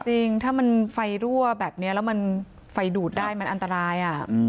จริงถ้ามันไฟรั่วแบบนี้แล้วมันไฟดูดได้มันอันตราย